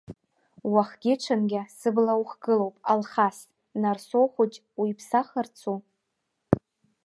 Уахгьы-ҽынгьы сыбла ухгылоуп, Алхас, нарсоу хәыҷ уиԥсахрацу?